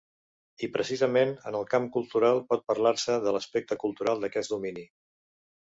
I precisament en el camp cultural pot parlar-se de l'aspecte cultural d'aquest domini.